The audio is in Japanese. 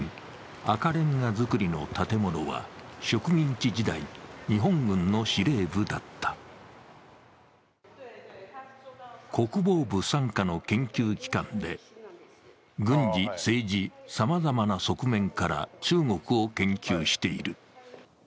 赤れんが造りの建物は植民地時代、日本軍の司令部だった国防部傘下の研究機関で、軍事・政治、さまざまな側面から中国を研究している。